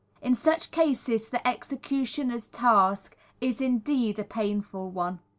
In such cases the executioner's task is, indeed, a painful one.